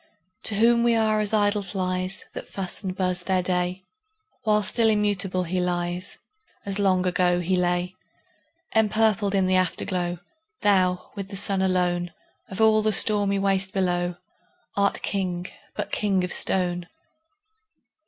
To whom we are as idle flies, That fuss and buzz their day; While still immutable he lies, As long ago he lay. Empurpled in the Afterglow, Thou, with the Sun alone, Of all the stormy waste below, Art King, but king of stone!